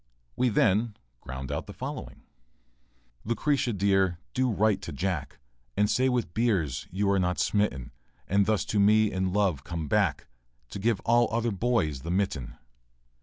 We then ground out the following:] Lucretia, dear, do write to Jack, And say with Beers you are not smitten; And thus to me in love come back, And give all other boys the mitten.